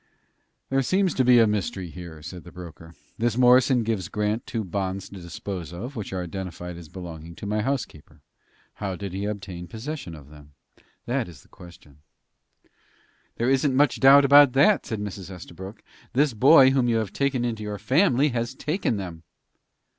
"There seems a mystery here," said the broker. "This Morrison gives Grant two bonds to dispose of, which are identified as belonging to my housekeeper. How did he obtain possession of them? That is the question." "There isn't much doubt about that," said Mrs. Estabrook. "This boy whom you have taken into your family has taken them."